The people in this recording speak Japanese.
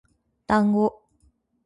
だんご